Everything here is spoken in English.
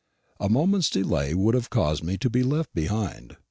A moment's delay would have caused me to be left behind.